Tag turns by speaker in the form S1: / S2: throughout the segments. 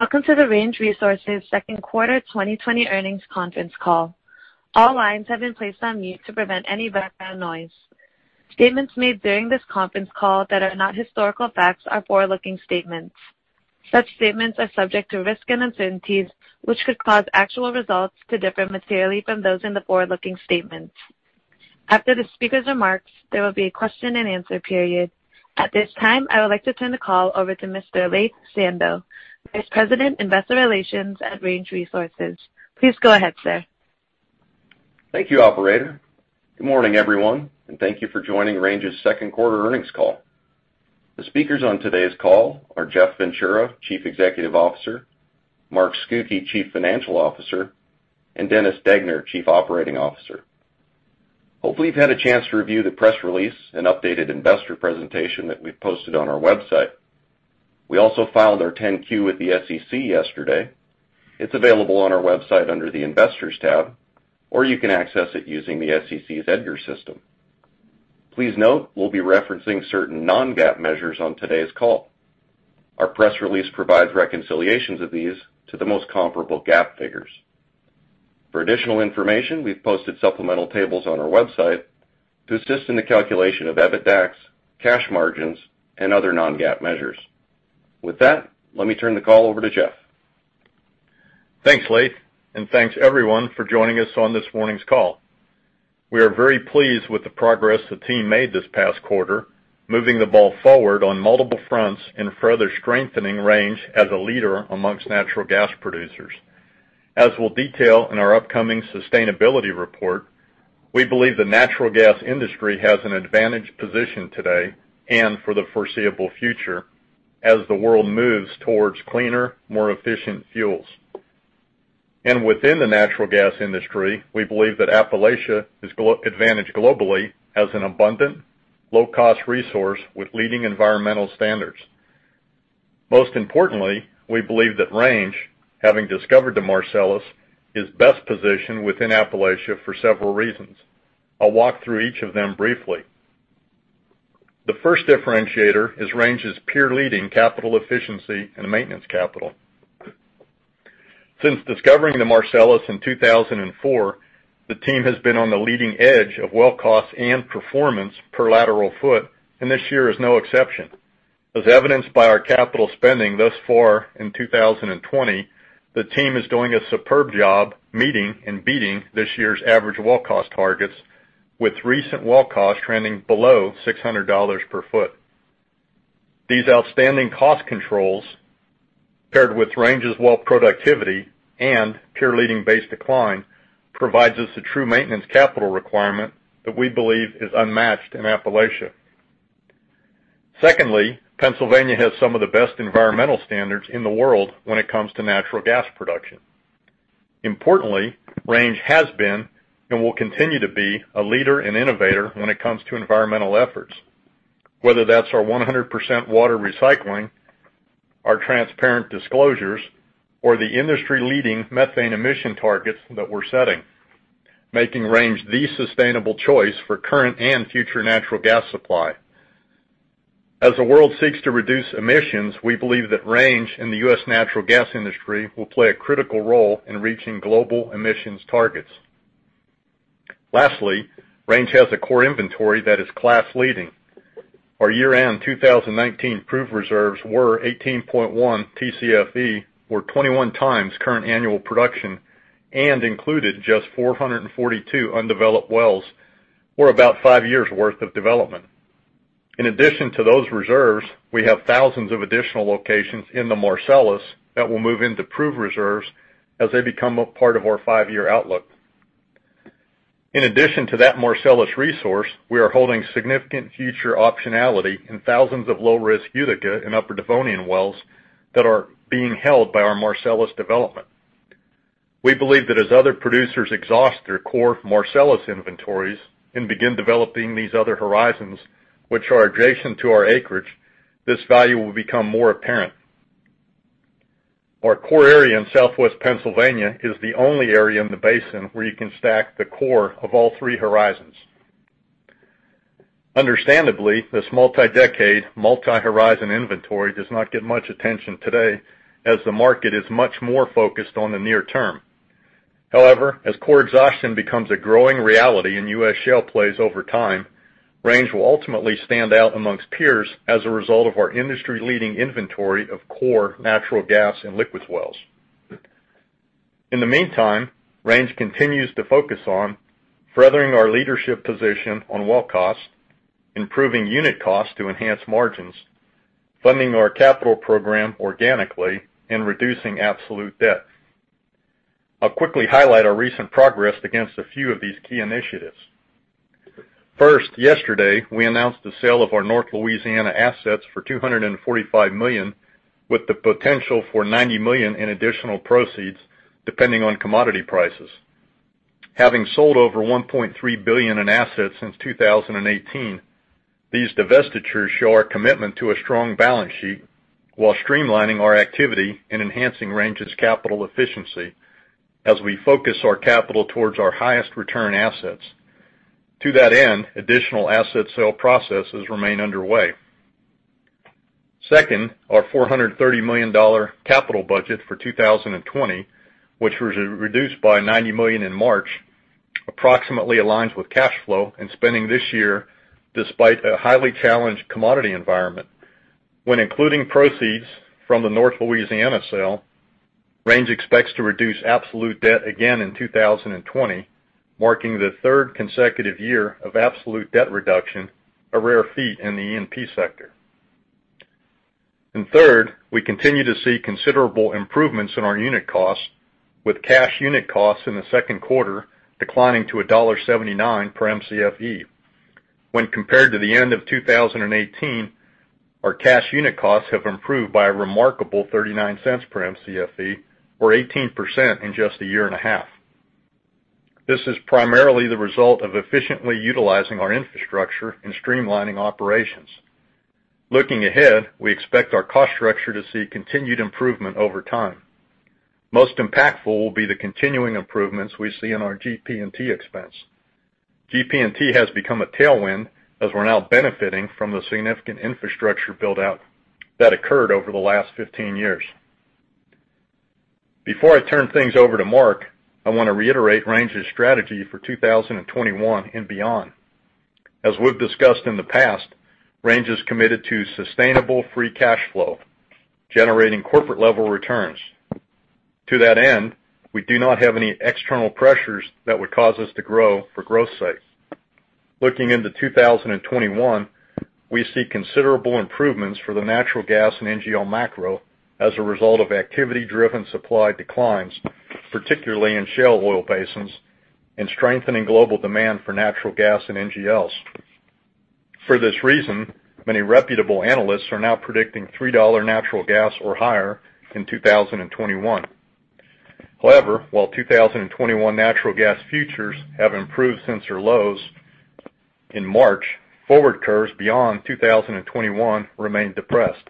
S1: Welcome to the Range Resources second quarter 2020 earnings conference call. All lines have been placed on mute to prevent any background noise. Statements made during this conference call that are not historical facts are forward-looking statements. Such statements are subject to risks and uncertainties, which could cause actual results to differ materially from those in the forward-looking statements. After the speaker's remarks, there will be a question and answer period. At this time, I would like to turn the call over to Mr. Laith Sando, Vice President, Investor Relations at Range Resources. Please go ahead, sir.
S2: Thank you, operator. Good morning, everyone, and thank you for joining Range's second quarter earnings call. The speakers on today's call are Jeff Ventura, Chief Executive Officer, Mark Scucchi, Chief Financial Officer, and Dennis Degner, Chief Operating Officer. Hopefully, you've had a chance to review the press release and updated investor presentation that we've posted on our website. We also filed our 10-Q with the SEC yesterday. It's available on our website under the Investors tab, or you can access it using the SEC's EDGAR system. Please note, we'll be referencing certain non-GAAP measures on today's call. Our press release provides reconciliations of these to the most comparable GAAP figures. For additional information, we've posted supplemental tables on our website to assist in the calculation of EBITDAX, cash margins, and other non-GAAP measures. With that, let me turn the call over to Jeff.
S3: Thanks, Laith, and thanks, everyone, for joining us on this morning's call. We are very pleased with the progress the team made this past quarter, moving the ball forward on multiple fronts and further strengthening Range as a leader amongst natural gas producers. As we'll detail in our upcoming sustainability report, we believe the natural gas industry has an advantaged position today and for the foreseeable future as the world moves towards cleaner, more efficient fuels. Within the natural gas industry, we believe that Appalachia is advantaged globally as an abundant, low-cost resource with leading environmental standards. Most importantly, we believe that Range, having discovered the Marcellus, is best positioned within Appalachia for several reasons. I'll walk through each of them briefly. The first differentiator is Range's peer-leading capital efficiency and maintenance capital. Since discovering the Marcellus in 2004, the team has been on the leading edge of well cost and performance per lateral foot, and this year is no exception. As evidenced by our capital spending thus far in 2020, the team is doing a superb job meeting and beating this year's average well cost targets with recent well costs trending below $600 per foot. These outstanding cost controls, paired with Range's well productivity and peer-leading base decline, provides us a true maintenance capital requirement that we believe is unmatched in Appalachia. Secondly, Pennsylvania has some of the best environmental standards in the world when it comes to natural gas production. Importantly, Range has been and will continue to be a leader and innovator when it comes to environmental efforts, whether that's our 100% water recycling, our transparent disclosures, or the industry-leading methane emission targets that we're setting, making Range the sustainable choice for current and future natural gas supply. As the world seeks to reduce emissions, we believe that Range and the U.S. natural gas industry will play a critical role in reaching global emissions targets. Lastly, Range has a core inventory that is class-leading. Our year-end 2019 proved reserves were 18.1 Tcfe, or 21x current annual production, and included just 442 undeveloped wells for about five years' worth of development. In addition to those reserves, we have thousands of additional locations in the Marcellus that will move into proved reserves as they become a part of our five-year outlook. In addition to that Marcellus resource, we are holding significant future optionality in thousands of low-risk Utica and Upper Devonian wells that are being held by our Marcellus development. We believe that as other producers exhaust their core Marcellus inventories and begin developing these other horizons, which are adjacent to our acreage, this value will become more apparent. Our core area in Southwest Pennsylvania is the only area in the basin where you can stack the core of all three horizons. Understandably, this multi-decade, multi-horizon inventory does not get much attention today as the market is much more focused on the near term. However, as core exhaustion becomes a growing reality in U.S. shale plays over time, Range will ultimately stand out amongst peers as a result of our industry-leading inventory of core natural gas and liquids wells. In the meantime, Range continues to focus on furthering our leadership position on well cost, improving unit cost to enhance margins, funding our capital program organically, and reducing absolute debt. I'll quickly highlight our recent progress against a few of these key initiatives. First, yesterday, we announced the sale of our North Louisiana assets for $245 million, with the potential for $90 million in additional proceeds, depending on commodity prices. Having sold over $1.3 billion in assets since 2018, these divestitures show our commitment to a strong balance sheet while streamlining our activity and enhancing Range's capital efficiency as we focus our capital towards our highest return assets. To that end, additional asset sale processes remain underway. Second, our $430 million capital budget for 2020, which was reduced by $90 million in March, approximately aligns with cash flow and spending this year despite a highly challenged commodity environment. When including proceeds from the North Louisiana sale, Range expects to reduce absolute debt again in 2020, marking the third consecutive year of absolute debt reduction, a rare feat in the E&P sector. Third, we continue to see considerable improvements in our unit costs with cash unit costs in the second quarter declining to $1.79 per Mcfe. When compared to the end of 2018, our cash unit costs have improved by a remarkable $0.39 per Mcfe or 18% in just a year and a half. This is primarily the result of efficiently utilizing our infrastructure and streamlining operations. Looking ahead, we expect our cost structure to see continued improvement over time. Most impactful will be the continuing improvements we see in our GP&T expense. GP&T has become a tailwind as we're now benefiting from the significant infrastructure build-out that occurred over the last 15 years. Before I turn things over to Mark, I want to reiterate Range's strategy for 2021 and beyond. As we've discussed in the past, Range is committed to sustainable free cash flow, generating corporate-level returns. To that end, we do not have any external pressures that would cause us to grow for growth's sake. Looking into 2021, we see considerable improvements for the natural gas and NGL macro as a result of activity-driven supply declines, particularly in shale oil basins, and strengthening global demand for natural gas and NGLs. For this reason, many reputable analysts are now predicting $3 natural gas or higher in 2021. While 2021 natural gas futures have improved since their lows in March, forward curves beyond 2021 remain depressed.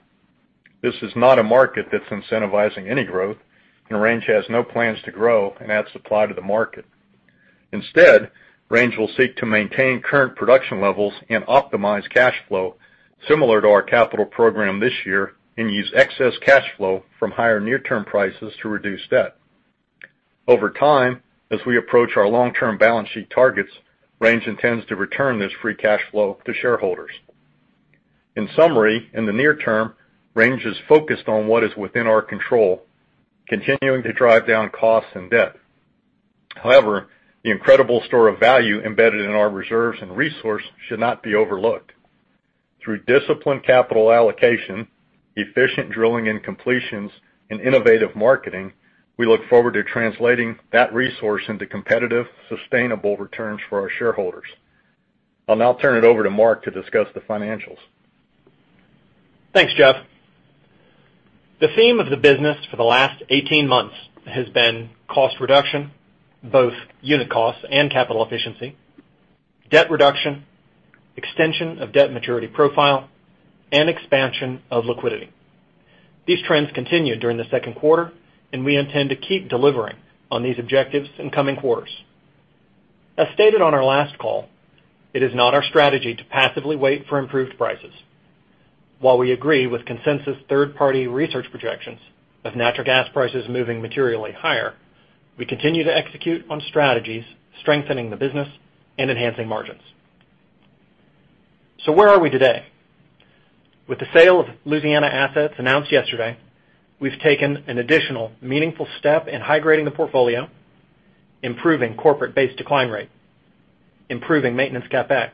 S3: This is not a market that's incentivizing any growth, and Range has no plans to grow and add supply to the market. Instead, Range will seek to maintain current production levels and optimize cash flow similar to our capital program this year and use excess cash flow from higher near-term prices to reduce debt. Over time, as we approach our long-term balance sheet targets, Range intends to return this free cash flow to shareholders. In summary, in the near term, Range is focused on what is within our control, continuing to drive down costs and debt. However, the incredible store of value embedded in our reserves and resource should not be overlooked. Through disciplined capital allocation, efficient drilling and completions, and innovative marketing, we look forward to translating that resource into competitive, sustainable returns for our shareholders. I'll now turn it over to Mark to discuss the financials.
S4: Thanks, Jeff. The theme of the business for the last 18 months has been cost reduction, both unit costs and capital efficiency, debt reduction, extension of debt maturity profile, and expansion of liquidity. These trends continued during the second quarter. We intend to keep delivering on these objectives in coming quarters. As stated on our last call, it is not our strategy to passively wait for improved prices. While we agree with consensus third-party research projections of natural gas prices moving materially higher, we continue to execute on strategies strengthening the business and enhancing margins. Where are we today? With the sale of Louisiana assets announced yesterday, we've taken an additional meaningful step in high-grading the portfolio, improving corporate base decline rate, improving maintenance CapEx,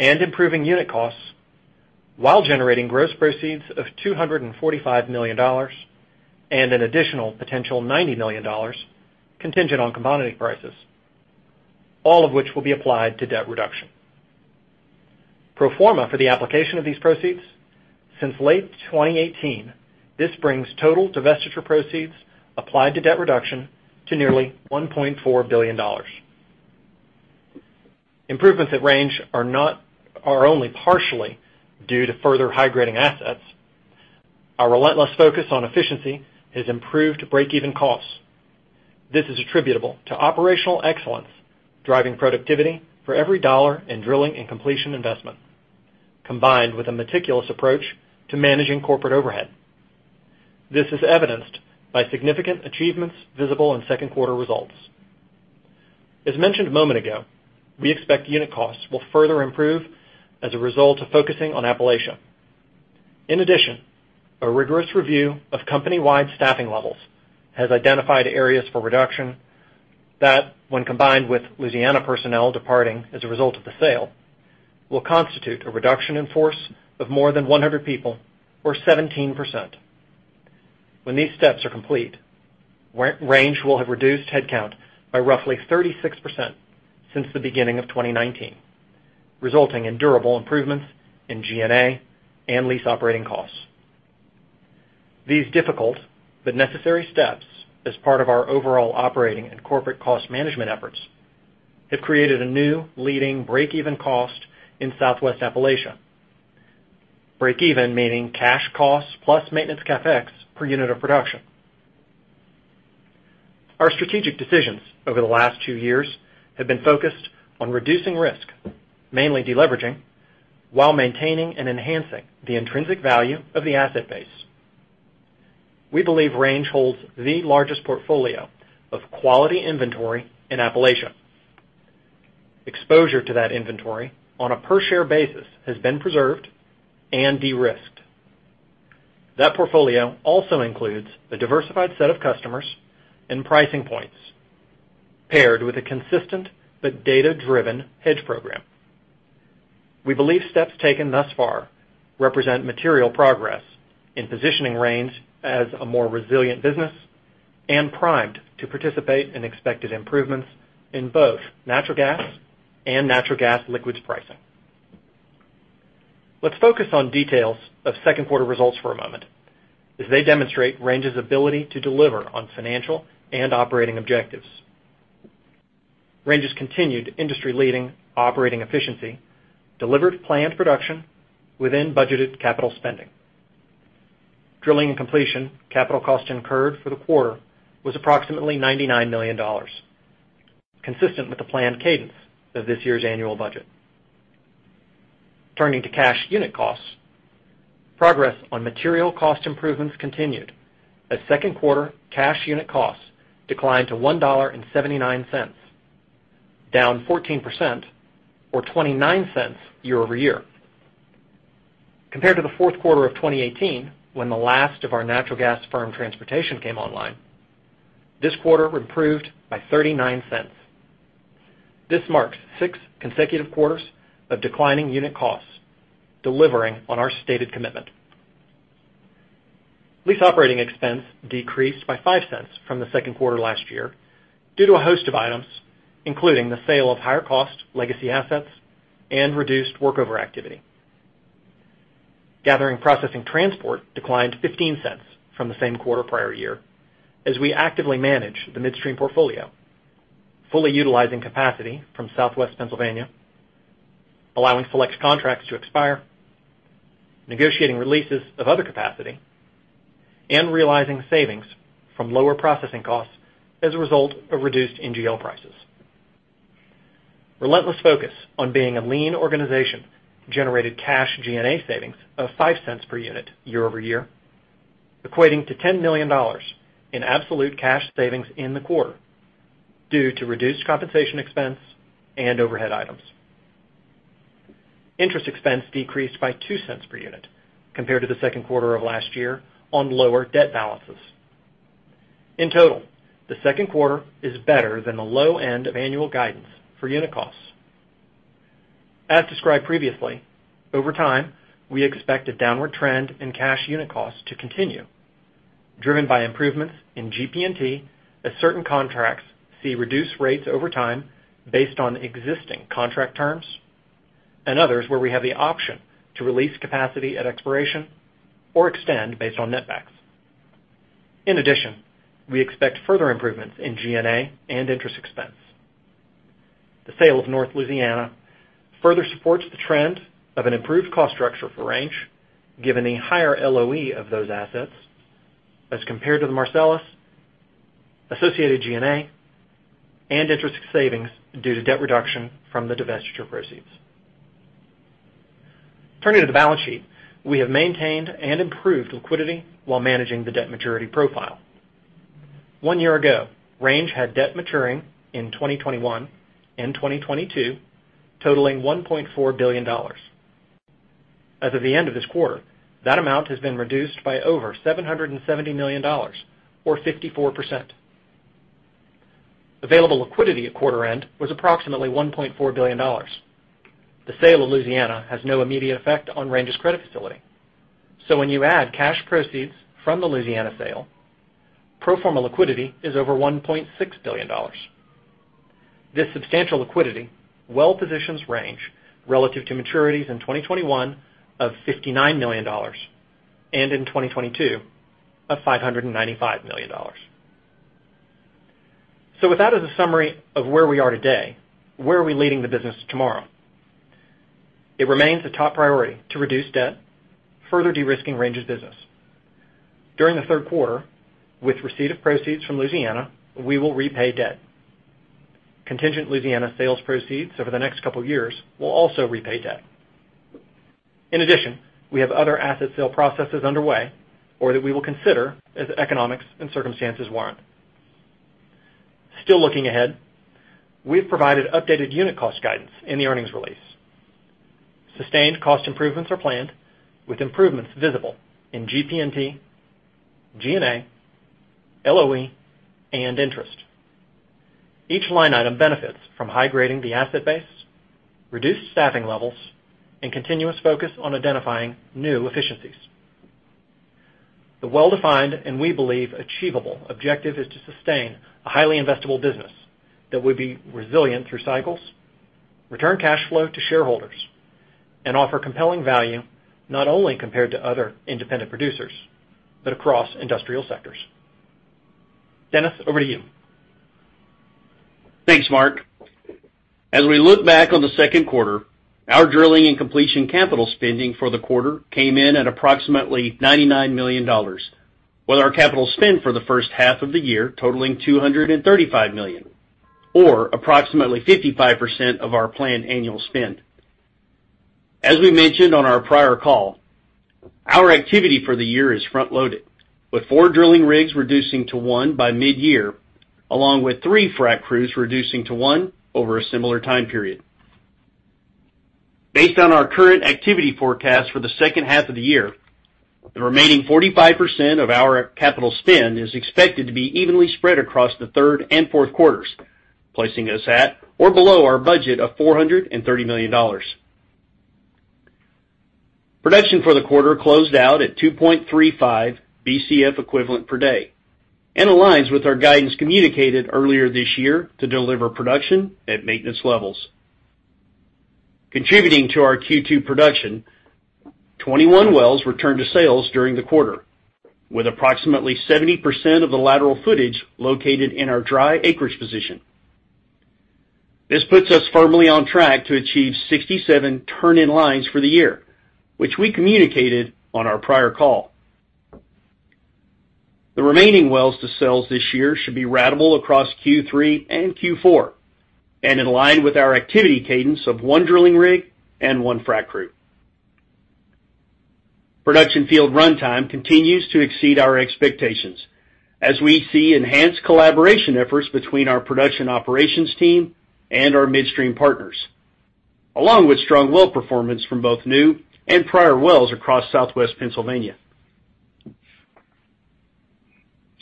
S4: and improving unit costs while generating gross proceeds of $245 million and an additional potential $90 million contingent on commodity prices. All of which will be applied to debt reduction. Pro forma for the application of these proceeds, since late 2018, this brings total divestiture proceeds applied to debt reduction to nearly $1.4 billion. Improvements at Range are only partially due to further high-grading assets. Our relentless focus on efficiency has improved break-even costs. This is attributable to operational excellence, driving productivity for every dollar in drilling and completion investment, combined with a meticulous approach to managing corporate overhead. This is evidenced by significant achievements visible in second quarter results. As mentioned a moment ago, we expect unit costs will further improve as a result of focusing on Appalachia. In addition, a rigorous review of company-wide staffing levels has identified areas for reduction that, when combined with Louisiana personnel departing as a result of the sale, will constitute a reduction in force of more than 100 people or 17%. When these steps are complete, Range will have reduced headcount by roughly 36% since the beginning of 2019, resulting in durable improvements in G&A and lease operating costs. These difficult but necessary steps as part of our overall operating and corporate cost management efforts have created a new leading break-even cost in Southwest Appalachia. Break even meaning cash costs plus maintenance CapEx per unit of production. Our strategic decisions over the last two years have been focused on reducing risk, mainly deleveraging, while maintaining and enhancing the intrinsic value of the asset base. We believe Range holds the largest portfolio of quality inventory in Appalachia. Exposure to that inventory on a per-share basis has been preserved and de-risked. That portfolio also includes a diversified set of customers and pricing points, paired with a consistent but data-driven hedge program. We believe steps taken thus far represent material progress in positioning Range as a more resilient business and primed to participate in expected improvements in both natural gas and natural gas liquids pricing. Let's focus on details of second quarter results for a moment, as they demonstrate Range's ability to deliver on financial and operating objectives. Range's continued industry-leading operating efficiency delivered planned production within budgeted capital spending. Drilling and completion capital cost incurred for the quarter was approximately $99 million, consistent with the planned cadence of this year's annual budget. Turning to cash unit costs, progress on material cost improvements continued, as second quarter cash unit costs declined to $1.79, down 14% or $0.29 year-over-year. Compared to the fourth quarter of 2018, when the last of our natural gas firm transportation came online, this quarter improved by $0.39. This marks six consecutive quarters of declining unit costs, delivering on our stated commitment. Lease operating expense decreased by $0.05 from the second quarter last year due to a host of items, including the sale of higher-cost legacy assets and reduced workover activity. Gathering processing transport declined $0.15 from the same quarter prior year, as we actively manage the midstream portfolio, fully utilizing capacity from Southwest Pennsylvania, allowing select contracts to expire, negotiating releases of other capacity, and realizing savings from lower processing costs as a result of reduced NGL prices. Relentless focus on being a lean organization generated cash G&A savings of $0.05 per unit year-over-year, equating to $10 million in absolute cash savings in the quarter due to reduced compensation expense and overhead items. Interest expense decreased by $0.02 per unit compared to the second quarter of last year on lower debt balances. In total, the second quarter is better than the low end of annual guidance for unit costs. As described previously, over time, we expect a downward trend in cash unit costs to continue, driven by improvements in GP&T as certain contracts see reduced rates over time based on existing contract terms, and others where we have the option to release capacity at expiration or extend based on net backs. In addition, we expect further improvements in G&A and interest expense. The sale of North Louisiana further supports the trend of an improved cost structure for Range, given the higher LOE of those assets as compared to the Marcellus, associated G&A, and interest savings due to debt reduction from the divestiture proceeds. Turning to the balance sheet. We have maintained and improved liquidity while managing the debt maturity profile. One year ago, Range had debt maturing in 2021 and 2022 totaling $1.4 billion. As of the end of this quarter, that amount has been reduced by over $770 million, or 54%. Available liquidity at quarter end was approximately $1.4 billion. The sale of Louisiana has no immediate effect on Range's credit facility. When you add cash proceeds from the Louisiana sale, pro forma liquidity is over $1.6 billion. This substantial liquidity well positions Range relative to maturities in 2021 of $59 million, and in 2022 of $595 million. With that as a summary of where we are today, where are we leading the business tomorrow? It remains the top priority to reduce debt, further de-risking Range's business. During the third quarter, with receipt of proceeds from Louisiana, we will repay debt. Contingent Louisiana sales proceeds over the next couple years will also repay debt. In addition, we have other asset sale processes underway, or that we will consider as economics and circumstances warrant. Still looking ahead, we've provided updated unit cost guidance in the earnings release. Sustained cost improvements are planned, with improvements visible in GP&T, G&A, LOE, and interest. Each line item benefits from high-grading the asset base, reduced staffing levels, and continuous focus on identifying new efficiencies. The well-defined, and we believe achievable, objective is to sustain a highly investable business that will be resilient through cycles, return cash flow to shareholders, and offer compelling value not only compared to other independent producers, but across industrial sectors. Dennis, over to you
S5: Thanks, Mark. As we look back on the second quarter, our drilling and completion capital spending for the quarter came in at approximately $99 million, with our capital spend for the first half of the year totaling $235 million, or approximately 55% of our planned annual spend. As we mentioned on our prior call, our activity for the year is front-loaded, with four drilling rigs reducing to one by midyear, along with three frac crews reducing to one over a similar time period. Based on our current activity forecast for the second half of the year, the remaining 45% of our capital spend is expected to be evenly spread across the third and fourth quarters, placing us at or below our budget of $430 million. Production for the quarter closed out at 2.35 Bcf equivalent per day and aligns with our guidance communicated earlier this year to deliver production at maintenance levels. Contributing to our Q2 production, 21 wells returned to sales during the quarter, with approximately 70% of the lateral footage located in our dry acreage position. This puts us firmly on track to achieve 67 turn-in lines for the year, which we communicated on our prior call. The remaining wells to sell this year should be ratable across Q3 and Q4 and in line with our activity cadence of one drilling rig and one frac crew. Production field runtime continues to exceed our expectations as we see enhanced collaboration efforts between our production operations team and our midstream partners, along with strong well performance from both new and prior wells across Southwest Pennsylvania.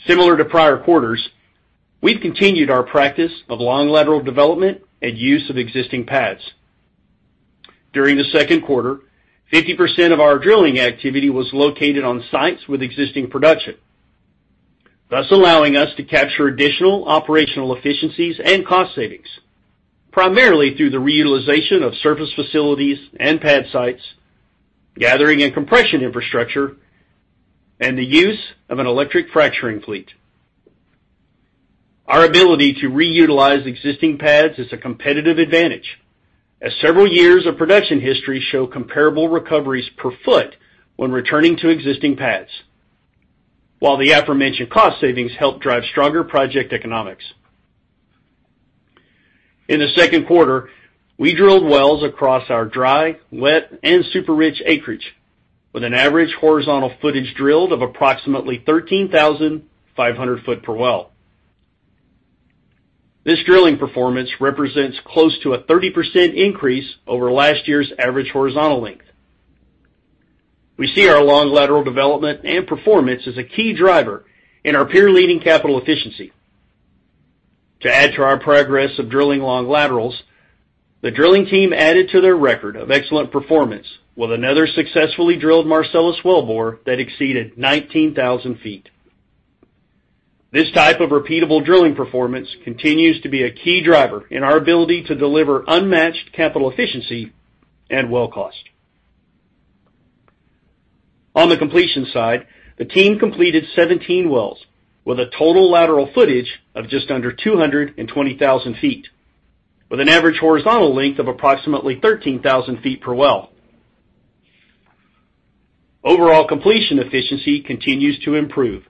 S5: Similar to prior quarters, we've continued our practice of long lateral development and use of existing pads. During the second quarter, 50% of our drilling activity was located on sites with existing production, thus allowing us to capture additional operational efficiencies and cost savings, primarily through the reutilization of surface facilities and pad sites, gathering and compression infrastructure, and the use of an electric fracturing fleet. Our ability to reutilize existing pads is a competitive advantage as several years of production history show comparable recoveries per foot when returning to existing pads. While the aforementioned cost savings help drive stronger project economics. In the second quarter, we drilled wells across our dry, wet, and super rich acreage with an average horizontal footage drilled of approximately 13,500 foot per well. This drilling performance represents close to a 30% increase over last year's average horizontal length. We see our long lateral development and performance as a key driver in our peer-leading capital efficiency. To add to our progress of drilling long laterals, the drilling team added to their record of excellent performance with another successfully drilled Marcellus wellbore that exceeded 19,000 ft. This type of repeatable drilling performance continues to be a key driver in our ability to deliver unmatched capital efficiency and well cost. On the completion side, the team completed 17 wells with a total lateral footage of just under 220,000 ft with an average horizontal length of approximately 13,000 ft per well. Overall completion efficiency continues to improve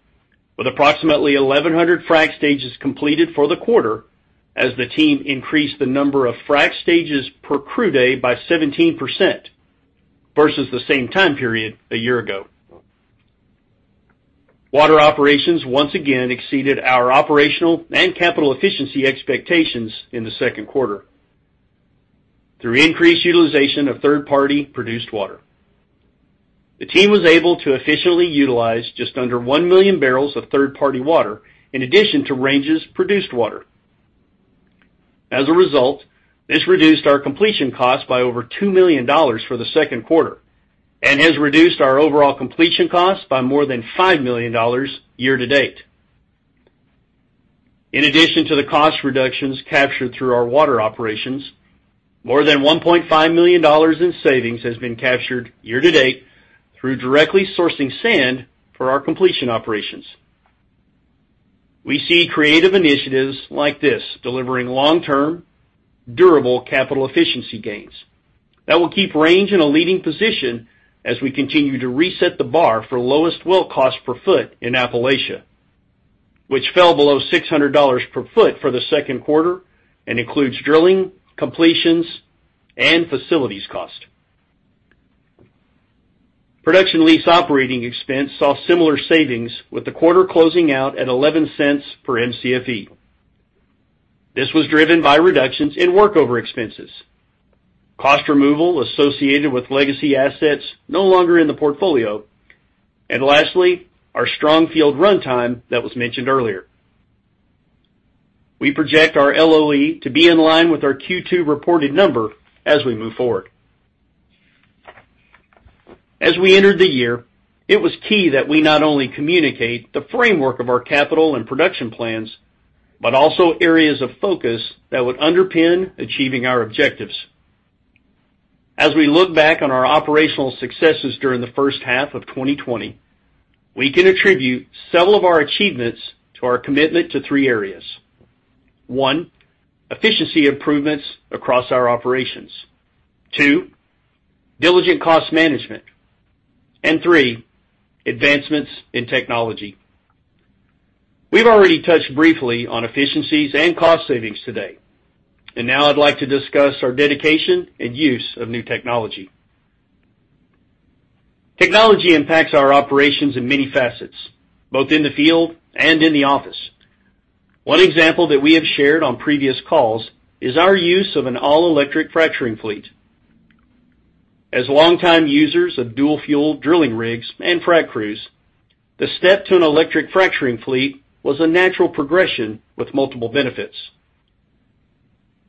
S5: with approximately 1,100 frac stages completed for the quarter as the team increased the number of frac stages per crew day by 17% versus the same time period a year ago. Water operations once again exceeded our operational and capital efficiency expectations in the second quarter through increased utilization of third-party produced water. The team was able to efficiently utilize just under 1,000,000 barrels of third-party water in addition to Range's produced water. As a result, this reduced our completion cost by over $2 million for the second quarter and has reduced our overall completion cost by more than $5 million year to date. In addition to the cost reductions captured through our water operations, more than $1.5 million in savings has been captured year to date through directly sourcing sand for our completion operations. We see creative initiatives like this delivering long-term durable capital efficiency gains that will keep Range in a leading position as we continue to reset the bar for lowest well cost per foot in Appalachia, which fell below $600 per foot for the second quarter and includes drilling, completions, and facilities cost. Production lease operating expense saw similar savings with the quarter closing out at $0.11 per Mcfe. This was driven by reductions in workover expenses, cost removal associated with legacy assets no longer in the portfolio, and lastly, our strong field runtime that was mentioned earlier. We project our LOE to be in line with our Q2 reported number as we move forward. As we entered the year, it was key that we not only communicate the framework of our capital and production plans, but also areas of focus that would underpin achieving our objectives. As we look back on our operational successes during the first half of 2020, we can attribute several of our achievements to our commitment to three areas. One, efficiency improvements across our operations. Two, diligent cost management. Three, advancements in technology. We've already touched briefly on efficiencies and cost savings today, and now I'd like to discuss our dedication and use of new technology. Technology impacts our operations in many facets, both in the field and in the office. One example that we have shared on previous calls is our use of an all-electric fracturing fleet. As longtime users of dual fuel drilling rigs and frac crews, the step to an electric fracturing fleet was a natural progression with multiple benefits.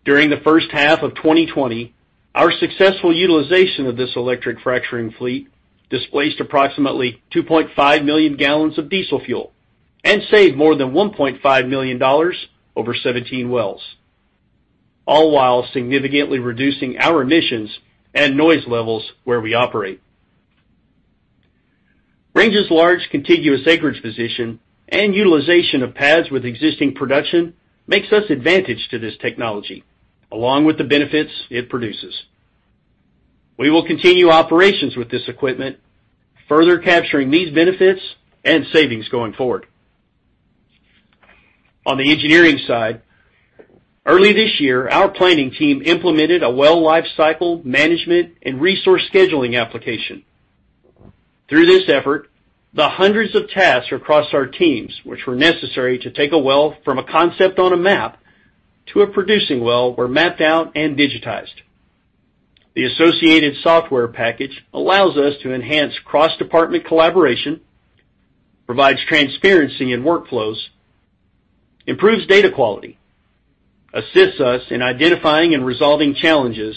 S5: During the first half of 2020, our successful utilization of this electric fracturing fleet displaced approximately 2.5 million gallons of diesel fuel and saved more than $1.5 million over 17 wells, all while significantly reducing our emissions and noise levels where we operate. Range's large contiguous acreage position and utilization of pads with existing production makes us advantage to this technology, along with the benefits it produces. We will continue operations with this equipment, further capturing these benefits and savings going forward. On the engineering side, early this year, our planning team implemented a well lifecycle management and resource scheduling application. Through this effort, the hundreds of tasks across our teams, which were necessary to take a well from a concept on a map to a producing well, were mapped out and digitized. The associated software package allows us to enhance cross-department collaboration, provides transparency in workflows, improves data quality, assists us in identifying and resolving challenges,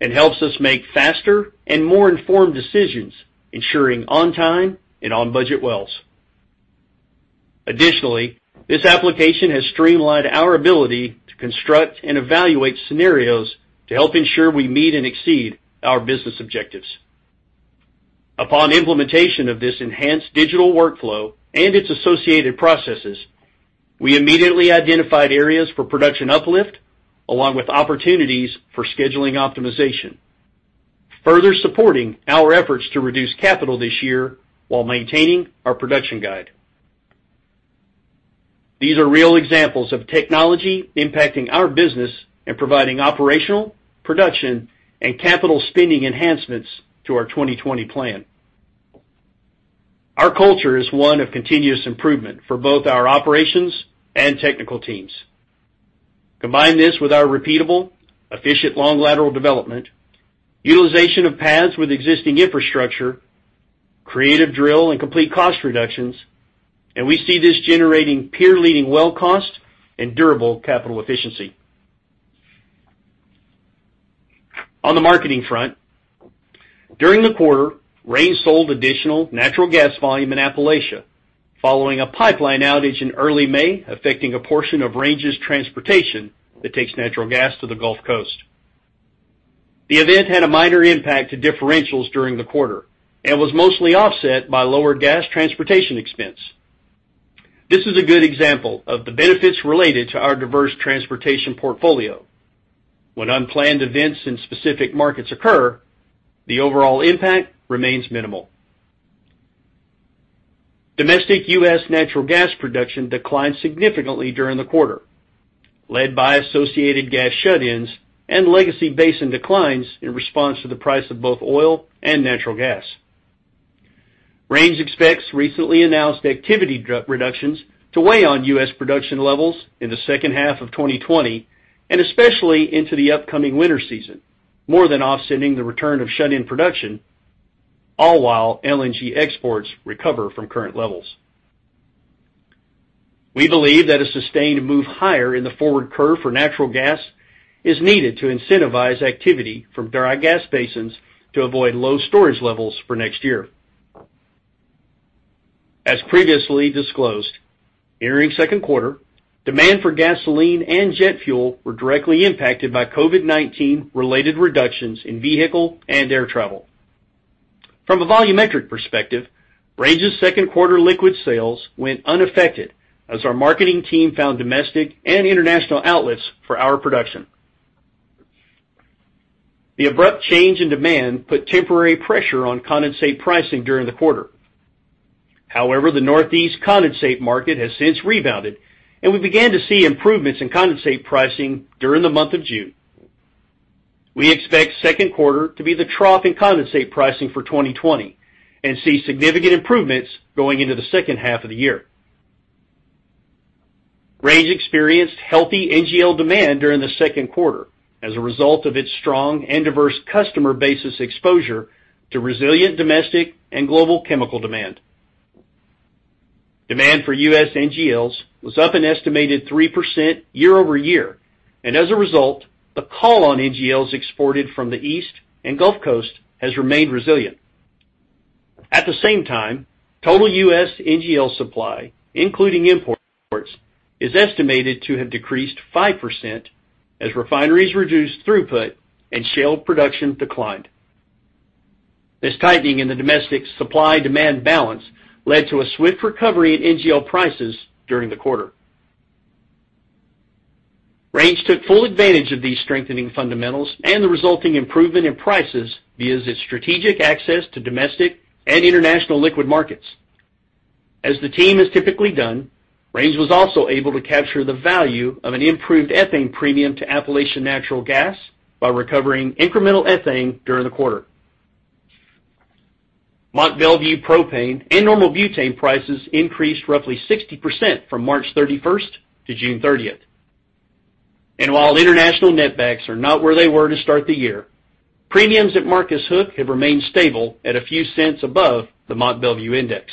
S5: and helps us make faster and more informed decisions, ensuring on-time and on-budget wells. Additionally, this application has streamlined our ability to construct and evaluate scenarios to help ensure we meet and exceed our business objectives. Upon implementation of this enhanced digital workflow and its associated processes, we immediately identified areas for production uplift, along with opportunities for scheduling optimization, further supporting our efforts to reduce capital this year while maintaining our production guide. These are real examples of technology impacting our business and providing operational, production, and capital spending enhancements to our 2020 plan. Our culture is one of continuous improvement for both our operations and technical teams. Combine this with our repeatable, efficient, long lateral development, utilization of paths with existing infrastructure, creative drill and complete cost reductions, and we see this generating peer-leading well cost and durable capital efficiency. On the marketing front, during the quarter, Range sold additional natural gas volume in Appalachia following a pipeline outage in early May affecting a portion of Range's transportation that takes natural gas to the Gulf Coast. The event had a minor impact to differentials during the quarter and was mostly offset by lower gas transportation expense. This is a good example of the benefits related to our diverse transportation portfolio. When unplanned events in specific markets occur, the overall impact remains minimal. Domestic U.S. natural gas production declined significantly during the quarter, led by associated gas shut-ins and legacy basin declines in response to the price of both oil and natural gas. Range expects recently announced activity reductions to weigh on U.S. production levels in the second half of 2020 and especially into the upcoming winter season, more than offsetting the return of shut-in production, all while LNG exports recover from current levels. We believe that a sustained move higher in the forward curve for natural gas is needed to incentivize activity from dry gas basins to avoid low storage levels for next year. As previously disclosed, entering second quarter, demand for gasoline and jet fuel were directly impacted by COVID-19 related reductions in vehicle and air travel. From a volumetric perspective, Range's second quarter liquid sales went unaffected as our marketing team found domestic and international outlets for our production. The abrupt change in demand put temporary pressure on condensate pricing during the quarter. However, the Northeast condensate market has since rebounded, and we began to see improvements in condensate pricing during the month of June. We expect second quarter to be the trough in condensate pricing for 2020 and see significant improvements going into the second half of the year. Range experienced healthy NGL demand during the second quarter as a result of its strong and diverse customer basis exposure to resilient domestic and global chemical demand. Demand for U.S. NGLs was up an estimated 3% year-over-year, and as a result, the call on NGLs exported from the East Coast and Gulf Coast has remained resilient. At the same time, total U.S. NGL supply, including import, is estimated to have decreased 5% as refineries reduced throughput and shale production declined. This tightening in the domestic supply-demand balance led to a swift recovery in NGL prices during the quarter. Range took full advantage of these strengthening fundamentals and the resulting improvement in prices via its strategic access to domestic and international liquid markets. As the team has typically done, Range was also able to capture the value of an improved ethane premium to Appalachian natural gas by recovering incremental ethane during the quarter. Mont Belvieu propane and normal butane prices increased roughly 60% from March 31st to June 30th. While international netbacks are not where they were to start the year, premiums at Marcus Hook have remained stable at a few cents above the Mont Belvieu index.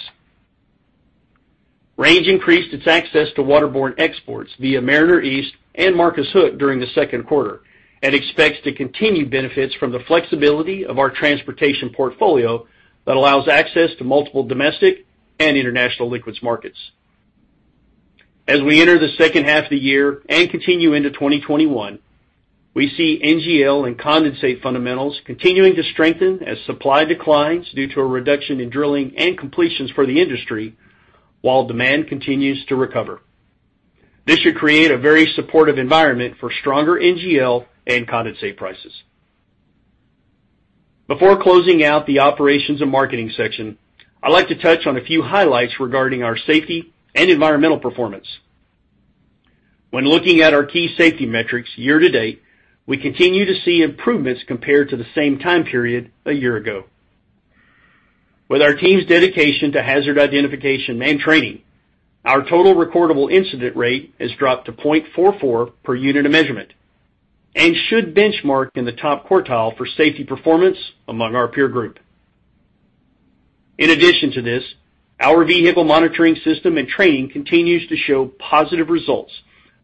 S5: Range increased its access to waterborne exports via Mariner East and Marcus Hook during the second quarter. Expects to continue benefits from the flexibility of our transportation portfolio that allows access to multiple domestic and international liquids markets. As we enter the second half of the year and continue into 2021, we see NGL and condensate fundamentals continuing to strengthen as supply declines due to a reduction in drilling and completions for the industry while demand continues to recover. This should create a very supportive environment for stronger NGL and condensate prices. Before closing out the operations and marketing section, I'd like to touch on a few highlights regarding our safety and environmental performance. When looking at our key safety metrics year to date, we continue to see improvements compared to the same time period a year ago. With our team's dedication to hazard identification and training, our total recordable incident rate has dropped to 0.44 per unit of measurement and should benchmark in the top quartile for safety performance among our peer group. In addition to this, our vehicle monitoring system and training continues to show positive results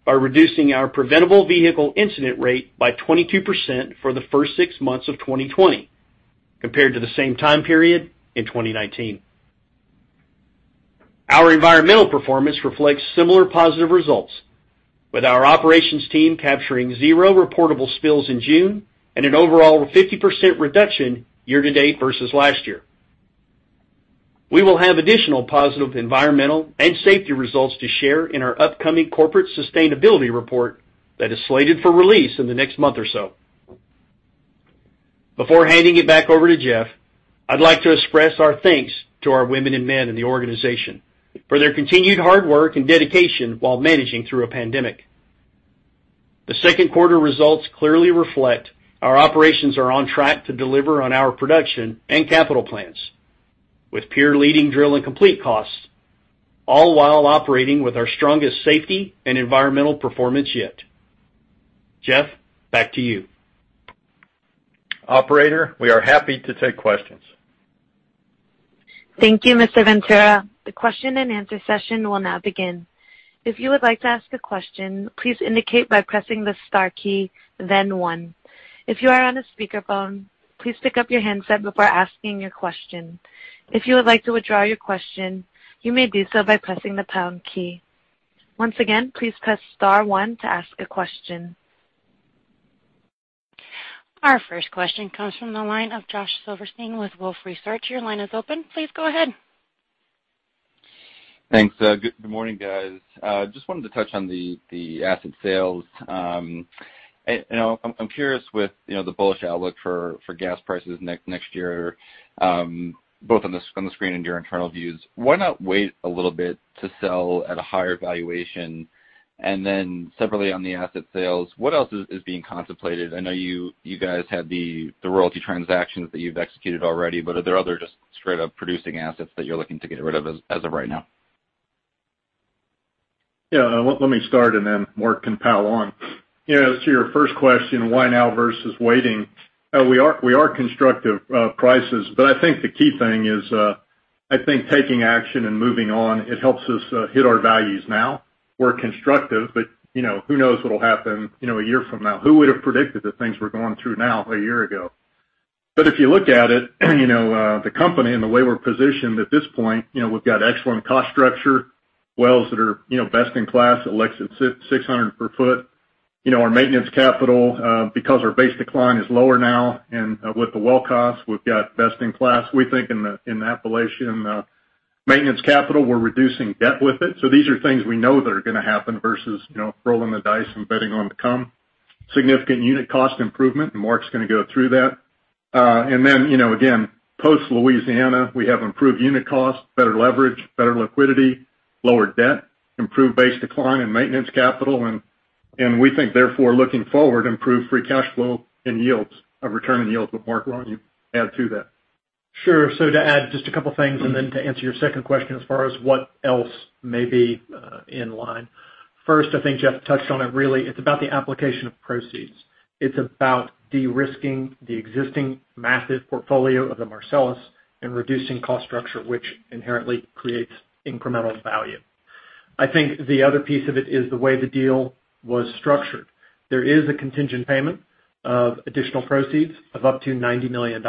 S5: by reducing our preventable vehicle incident rate by 22% for the first six months of 2020 compared to the same time period in 2019. Our environmental performance reflects similar positive results, with our operations team capturing zero reportable spills in June and an overall 50% reduction year to date versus last year. We will have additional positive environmental and safety results to share in our upcoming corporate sustainability report that is slated for release in the next month or so. Before handing it back over to Jeff, I'd like to express our thanks to our women and men in the organization for their continued hard work and dedication while managing through a pandemic. The second quarter results clearly reflect our operations are on track to deliver on our production and capital plans with peer-leading drill and complete costs, all while operating with our strongest safety and environmental performance yet. Jeff, back to you.
S3: Operator, we are happy to take questions.
S1: Thank you, Mr. Ventura. The question and answer session will now begin. If you would like to ask a question, please indicate by pressing the star key, then one. If you are on a speakerphone, please pick up your handset before asking your question. If you would like to withdraw your question, you may do so by pressing the pound key. Once again, please press star one to ask a question. Our first question comes from the line of Josh Silverstein with Wolfe Research. Your line is open. Please go ahead.
S6: Thanks. Good morning, guys. Just wanted to touch on the asset sales. I'm curious with the bullish outlook for gas prices next year, both on the screen and your internal views. Why not wait a little bit to sell at a higher valuation? Separately on the asset sales, what else is being contemplated? I know you guys had the royalty transactions that you've executed already, are there other just straight up producing assets that you're looking to get rid of as of right now?
S3: Yeah, let me start and then Mark can pile on. To your first question, why now versus waiting? We are constructive of prices, but I think the key thing is, I think taking action and moving on, it helps us hit our values now. We're constructive, but who knows what'll happen a year from now? Who would have predicted the things we're going through now a year ago? If you look at it, the company and the way we're positioned at this point, we've got excellent cost structure, wells that are best in class at less than $600 per foot. Our maintenance capital, because our base decline is lower now and with the well cost, we've got best in class, we think, in the Appalachian maintenance capital. We're reducing debt with it. These are things we know that are going to happen versus rolling the dice and betting on the come. Significant unit cost improvement, Mark's going to go through that. Then, again, post Louisiana, we have improved unit costs, better leverage, better liquidity, lower debt, improved base decline in maintenance capital, and we think therefore, looking forward, improved free cash flow and yields of return and yields. Mark, why don't you add to that?
S4: Sure. To add just a couple things, and then to answer your second question as far as what else may be in line. First, I think Jeff touched on it, really, it's about the application of proceeds. It's about de-risking the existing massive portfolio of the Marcellus and reducing cost structure, which inherently creates incremental value. I think the other piece of it is the way the deal was structured. There is a contingent payment of additional proceeds of up to $90 million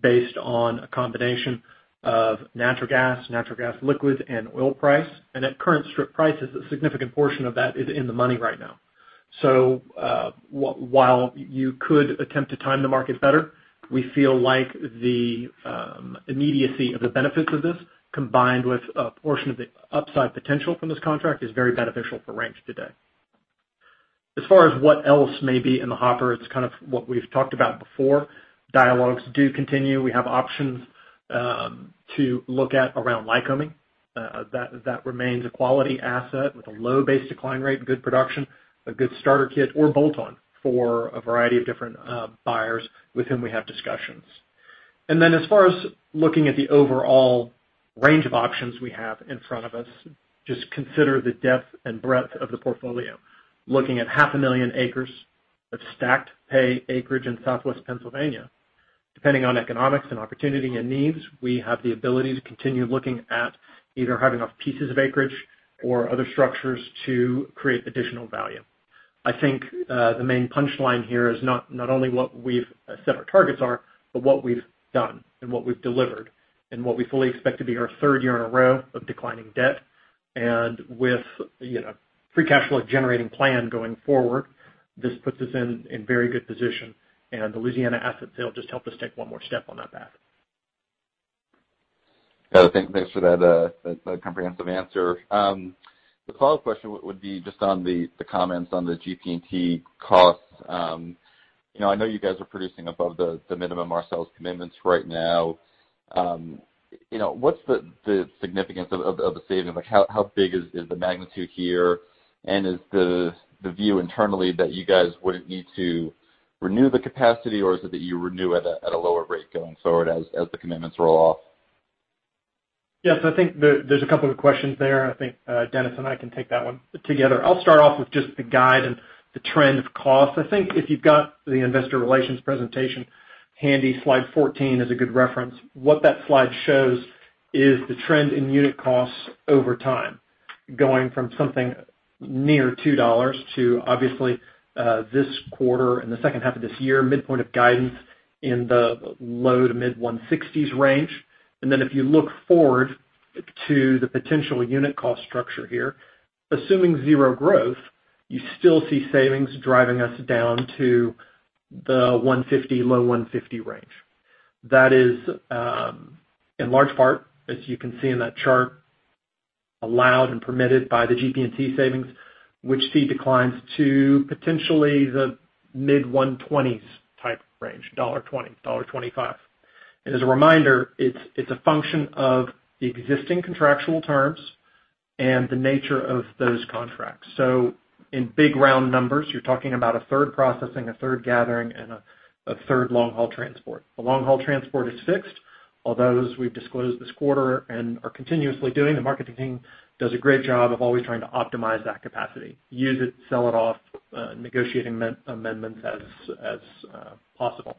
S4: based on a combination of natural gas, natural gas liquids, and oil price. At current strip prices, a significant portion of that is in the money right now. While you could attempt to time the market better, we feel like the immediacy of the benefits of this, combined with a portion of the upside potential from this contract, is very beneficial for Range today. As far as what else may be in the hopper, it's kind of what we've talked about before. Dialogues do continue. We have options to look at around Lycoming. That remains a quality asset with a low base decline rate and good production, a good starter kit or bolt-on for a variety of different buyers with whom we have discussions. As far as looking at the overall range of options we have in front of us, just consider the depth and breadth of the portfolio. Looking at half a million acres of stacked pay acreage in Southwest Pennsylvania. Depending on economics and opportunity and needs, we have the ability to continue looking at either having off pieces of acreage or other structures to create additional value. I think, the main punchline here is not only what we've said our targets are, but what we've done and what we've delivered, and what we fully expect to be our third year in a row of declining debt. With free cash flow generating plan going forward, this puts us in very good position. The Louisiana assets, they'll just help us take one more step on that path.
S6: Got it. Thanks for that comprehensive answer. The follow-up question would be just on the comments on the GP&T costs. I know you guys are producing above the minimum Marcellus commitments right now. What's the significance of the savings? How big is the magnitude here? Is the view internally that you guys wouldn't need to renew the capacity, or is it that you renew at a lower rate going forward as the commitments roll off?
S4: Yes, I think there's a couple of questions there. I think Dennis and I can take that one together. I'll start off with just the guide and the trend of cost. I think if you've got the investor relations presentation handy, slide 14 is a good reference. What that slide shows is the trend in unit costs over time, going from something near $2 to obviously, this quarter and the second half of this year, midpoint of guidance in the low to mid $1.60s range. If you look forward to the potential unit cost structure here, assuming zero growth, you still see savings driving us down to the $1.50, low $1.50 range. That is, in large part, as you can see in that chart, allowed and permitted by the GP&T savings, which see declines to potentially the mid $1.20s type range, $1.20, $1.25. As a reminder, it's a function of the existing contractual terms and the nature of those contracts. In big round numbers, you're talking about a third processing, a third gathering, and a third long-haul transport. The long-haul transport is fixed. All those we've disclosed this quarter and are continuously doing. The marketing team does a great job of always trying to optimize that capacity, use it, sell it off, negotiating amendments as possible.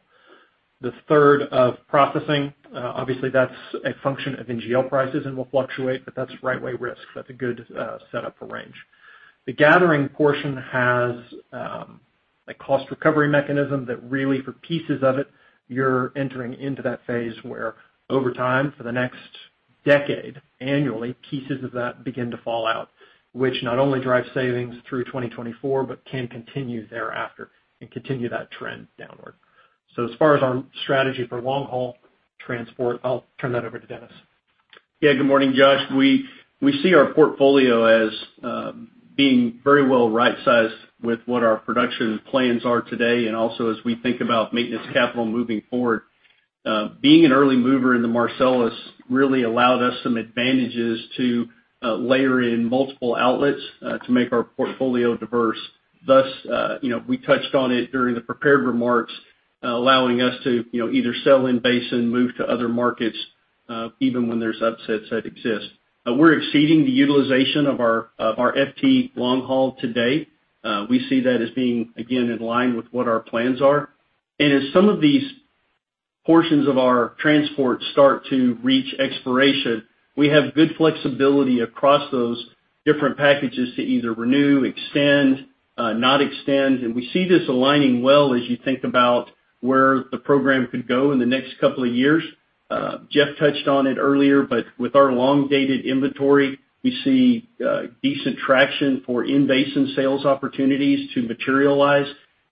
S4: The third of processing, obviously that's a function of NGL prices and will fluctuate, but that's right way risk. That's a good setup for Range. The gathering portion has a cost recovery mechanism that really, for pieces of it, you're entering into that phase where over time, for the next decade, annually, pieces of that begin to fall out, which not only drives savings through 2024, but can continue thereafter and continue that trend downward. As far as our strategy for long-haul transport, I'll turn that over to Dennis.
S5: Good morning, Josh. We see our portfolio as being very well right-sized with what our production plans are today, and also as we think about maintenance capital moving forward. Being an early mover in the Marcellus really allowed us some advantages to layer in multiple outlets to make our portfolio diverse. We touched on it during the prepared remarks, allowing us to either sell in basin, move to other markets, even when there's upsets that exist. We're exceeding the utilization of our FT long haul today. We see that as being, again, in line with what our plans are. As some of these portions of our transport start to reach expiration, we have good flexibility across those different packages to either renew, extend, not extend. We see this aligning well as you think about where the program could go in the next couple of years. Jeff touched on it earlier, but with our long-dated inventory, we see decent traction for in-basin sales opportunities to materialize,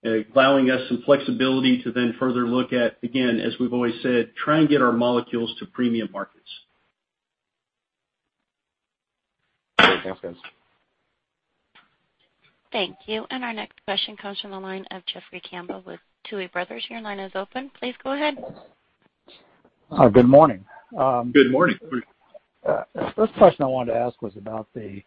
S5: allowing us some flexibility to then further look at, again, as we've always said, try and get our molecules to premium markets.
S6: Great. Thanks, Dennis.
S1: Thank you. Our next question comes from the line of Jeffrey Campbell with Tuohy Brothers. Your line is open. Please go ahead.
S7: Good morning.
S5: Good morning.
S7: The first question I wanted to ask was about the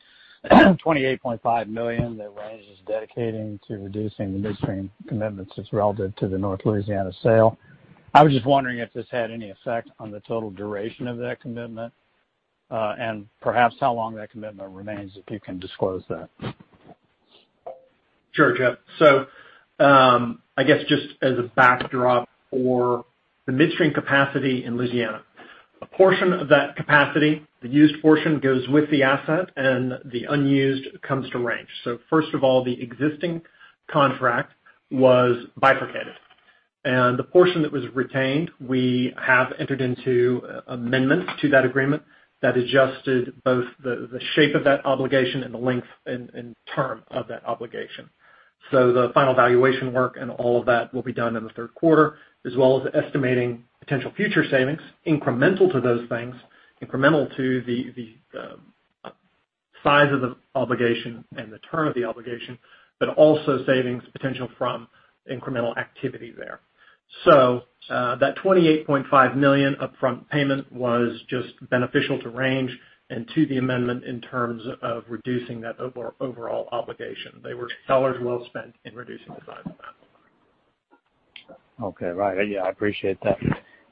S7: $28.5 million that Range is dedicating to reducing the midstream commitments that is relative to the North Louisiana sale. I was just wondering if this had any effect on the total duration of that commitment, and perhaps how long that commitment remains, if you can disclose that.
S4: Sure, Jeff. I guess just as a backdrop for the midstream capacity in Louisiana. A portion of that capacity, the used portion, goes with the asset, and the unused comes to Range. First of all, the existing contract was bifurcated. The portion that was retained, we have entered into amendments to that agreement that adjusted both the shape of that obligation and the length and term of that obligation. The final valuation work and all of that will be done in the third quarter, as well as estimating potential future savings incremental to those things, incremental to the size of the obligation and the term of the obligation, but also savings potential from incremental activity there. That $28.5 million upfront payment was just beneficial to Range and to the amendment in terms of reducing that overall obligation. They were dollars well spent in reducing the size of that.
S7: Okay, right. Yeah, I appreciate that.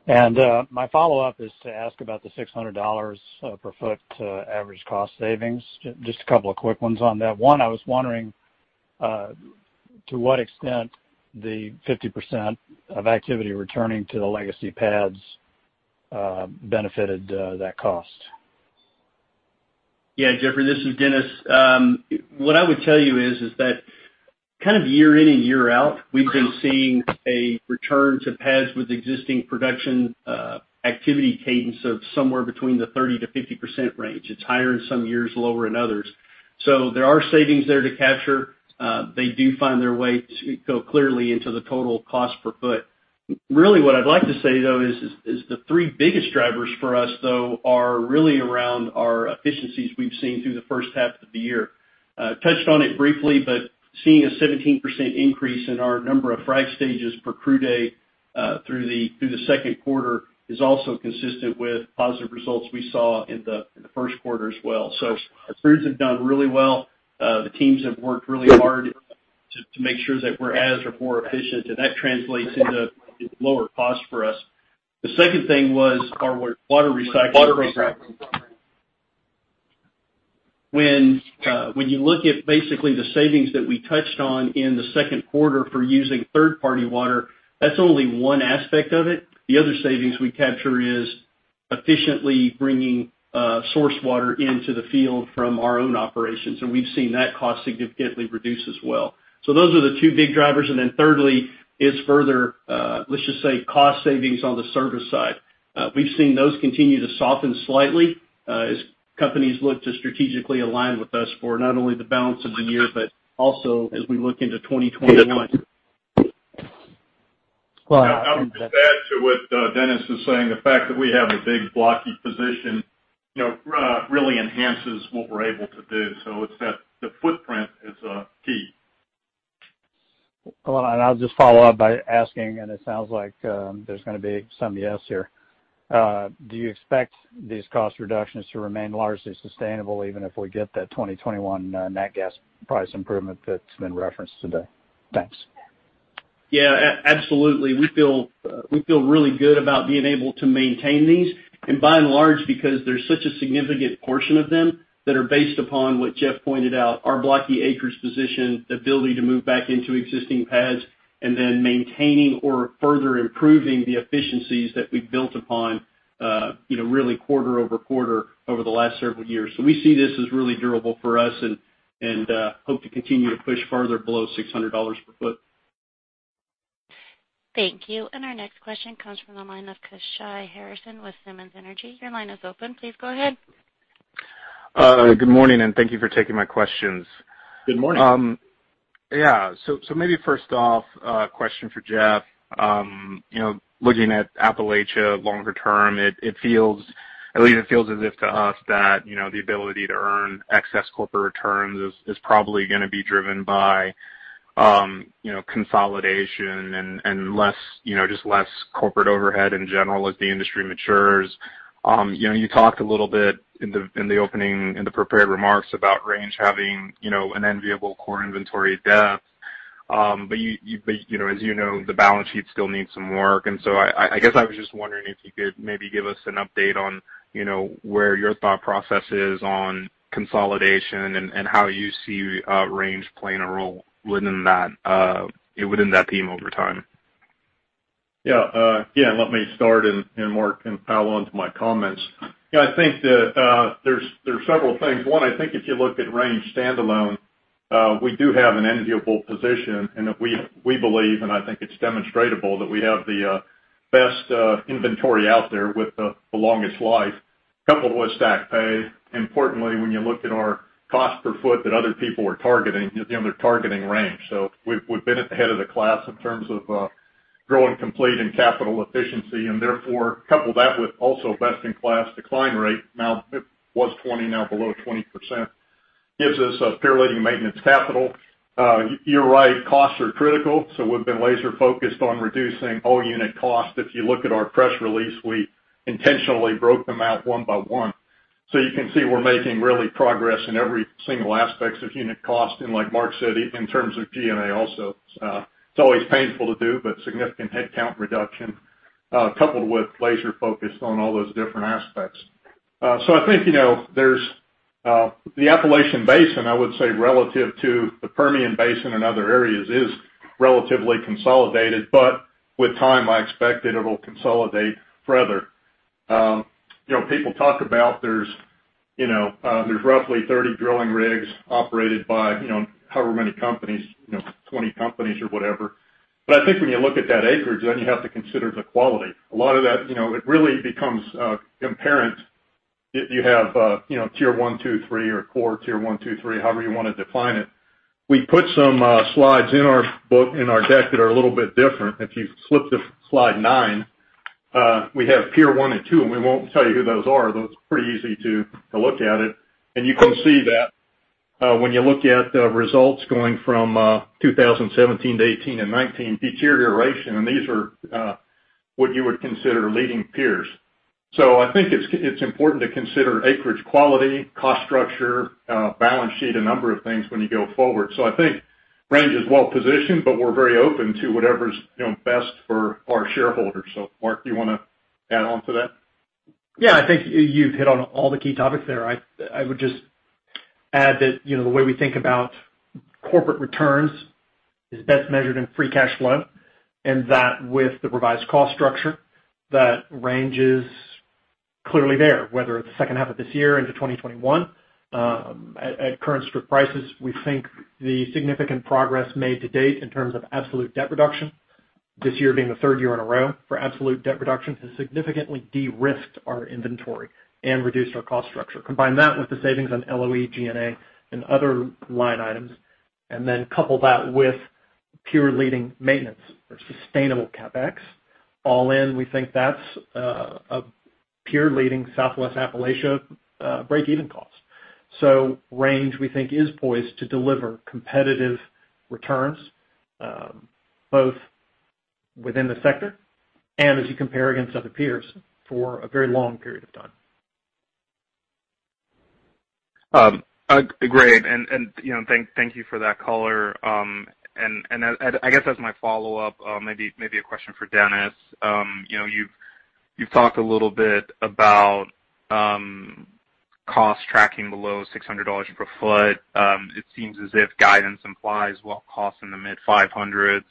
S7: My follow-up is to ask about the $600 per foot average cost savings. Just a couple of quick ones on that. One, I was wondering to what extent the 50% of activity returning to the legacy pads benefited that cost?
S5: Jeffrey, this is Dennis. What I would tell you is that year in and year out, we've been seeing a return to pads with existing production activity cadence of somewhere between the 30%-50% range. It's higher in some years, lower in others. There are savings there to capture. They do find their way to go clearly into the total cost per foot. Really what I'd like to say, though, is the three biggest drivers for us are really around our efficiencies we've seen through the first half of the year. Touched on it briefly, seeing a 17% increase in our number of frac stages per crew day through the second quarter is also consistent with positive results we saw in the first quarter as well. The crews have done really well. The teams have worked really hard to make sure that we're as or more efficient. That translates into lower cost for us. The second thing was our water recycling program. When you look at basically the savings that we touched on in the second quarter for using third-party water, that's only one aspect of it. The other savings we capture is efficiently bringing source water into the field from our own operations. We've seen that cost significantly reduce as well. Those are the two big drivers. Thirdly is further, let's just say, cost savings on the service side. We've seen those continue to soften slightly as companies look to strategically align with us for not only the balance of the year, but also as we look into 2021.
S3: I'll just add to what Dennis is saying. The fact that we have a big blocky position really enhances what we're able to do. It's that the footprint is key.
S7: Well, I'll just follow up by asking, and it sounds like there's going to be some yes here. Do you expect these cost reductions to remain largely sustainable even if we get that 2021 nat gas price improvement that's been referenced today? Thanks.
S5: Yeah, absolutely. We feel really good about being able to maintain these, by and large, because there's such a significant portion of them that are based upon what Jeff pointed out, our blocky acres position, the ability to move back into existing pads, and then maintaining or further improving the efficiencies that we've built upon really quarter-over-quarter over the last several years. We see this as really durable for us and hope to continue to push further below $600 per foot.
S1: Thank you. Our next question comes from the line of Kashy Harrison with Simmons Energy. Your line is open. Please go ahead.
S8: Good morning. Thank you for taking my questions.
S5: Good morning.
S8: Yeah. Maybe first off, a question for Jeff. Looking at Appalachia longer term, it feels as if to us that the ability to earn excess corporate returns is probably going to be driven by consolidation and just less corporate overhead in general as the industry matures. You talked a little bit in the opening, in the prepared remarks, about Range having an enviable core inventory depth. As you know, the balance sheet still needs some work. I guess I was just wondering if you could maybe give us an update on where your thought process is on consolidation and how you see Range playing a role within that theme over time.
S3: Yeah. Let me start, and Mark can pile on to my comments. I think that there's several things. One, I think if you look at Range standalone, we do have an enviable position. We believe, and I think it's demonstrable, that we have the best inventory out there with the longest life, coupled with stacked pay. Importantly, when you look at our cost per foot that other people are targeting, they're targeting Range. We've been at the head of the class in terms of drill and complete and capital efficiency, and therefore, couple that with also best-in-class decline rate. It was 20%, now below 20%, gives us a peer-leading maintenance capital. You're right, costs are critical. We've been laser focused on reducing all unit costs. If you look at our press release, we intentionally broke them out one by one. You can see we're making really progress in every single aspect of unit cost. Like Mark said, in terms of G&A also. It's always painful to do, but significant headcount reduction, coupled with laser focus on all those different aspects. I think, the Appalachian Basin, I would say relative to the Permian Basin and other areas, is relatively consolidated. With time, I expect that it'll consolidate further. People talk about there's roughly 30 drilling rigs operated by however many companies, 20 companies or whatever. I think when you look at that acreage, then you have to consider the quality. A lot of that, it really becomes apparent if you have tier 1, 2, 3 or 4, tier 1, 2, 3, however you want to define it. We put some slides in our book, in our deck that are a little bit different. If you flip to slide nine, we have peer 1 and 2. We won't tell you who those are, though it's pretty easy to look at it. You can see that when you look at the results going from 2017-2018 and 2019 deterioration. These are what you would consider leading peers. I think it's important to consider acreage quality, cost structure, balance sheet, a number of things when you go forward. I think Range is well positioned, but we're very open to whatever's best for our shareholders. Mark, do you want to add on to that?
S4: I think you've hit on all the key topics there. I would just add that the way we think about corporate returns is best measured in free cash flow, and that with the revised cost structure, that Range is clearly there, whether it's the second half of this year into 2021. At current strip prices, we think the significant progress made to date in terms of absolute debt reduction this year being the third year in a row for absolute debt reduction, has significantly de-risked our inventory and reduced our cost structure. Combine that with the savings on LOE, G&A and other line items, and then couple that with peer-leading maintenance or sustainable CapEx. All in, we think that's a peer-leading Southwest Appalachia breakeven cost. Range, we think, is poised to deliver competitive returns, both within the sector and as you compare against other peers for a very long period of time.
S8: Great. Thank you for that color. I guess as my follow-up, maybe a question for Dennis. You've talked a little bit about cost tracking below $600 per foot. It seems as if guidance implies well cost in the mid-$500s.